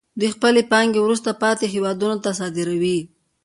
دوی خپلې پانګې وروسته پاتې هېوادونو ته صادروي